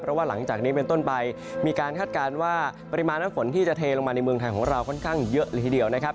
เพราะว่าหลังจากนี้เป็นต้นไปมีการคาดการณ์ว่าปริมาณน้ำฝนที่จะเทลงมาในเมืองไทยของเราค่อนข้างเยอะเลยทีเดียวนะครับ